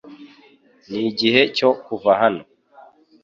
Nigihe cyo kuva hano